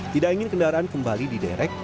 tidak ingin kendaraan kembali diderek